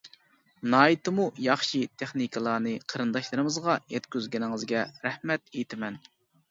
ناھايىتىمۇ ياخشى تېخنىكىلارنى قېرىنداشلىرىمىزغا يەتكۈزگىنىڭىزگە رەھمەت ئېيتىمەن!